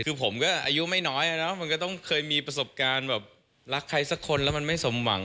คือผมก็อายุไม่น้อยมันก็ต้องเคยมีประสบการณ์แบบรักใครสักคนแล้วมันไม่สมหวัง